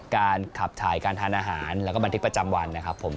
การขับถ่ายการทานอาหารแล้วก็บันทึกประจำวันนะครับผม